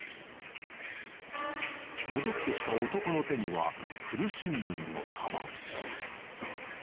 戻ってきた男の手には、古新聞の束。